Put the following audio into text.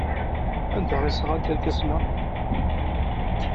Anda ay d-sɣan irkasen-a?